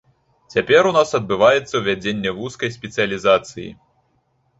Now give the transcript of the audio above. Цяпер у нас адбываецца ўвядзенне вузкай спецыялізацыі.